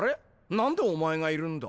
何でお前がいるんだ？